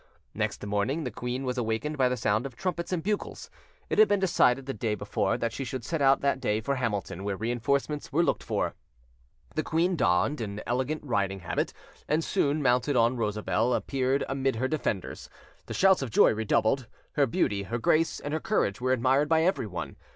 Next morning the queen was awakened by the sound of trumpets and bugles: it had been decided the day before that she should set out that day for Hamilton, where reinforcements were looked for. The queen donned an elegant riding habit, and soon, mounted on Rosabelle, appeared amid her defenders. The shouts of joy redoubled: her beauty, her grace, and her courage were admired by everyone.